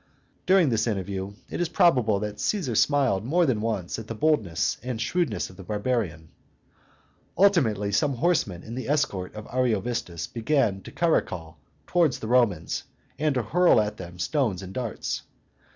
During this interview it is probable that Caesar smiled more than once at the boldness and shrewdness of the barbarian. Ultimately some horsemen in the escort of Ariovistus began to caracole towards the Romans, and to hurl at them stones and darts.